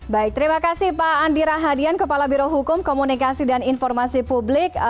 baik terima kasih pak andi rahadian kepala birohukum komunikasi dan informasi publik